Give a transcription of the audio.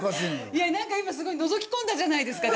いやなんか今すごいのぞき込んだじゃないですか。